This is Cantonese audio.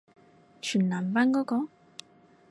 全男班嗰個？